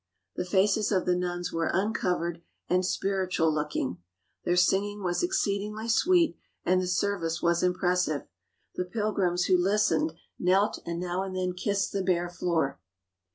The faces of the nuns were uncovered and spiritual looking. Their singing was exceedingly sweet, and the service was impressive. The pilgrims who listened knelt and now and then kissed the bare floor.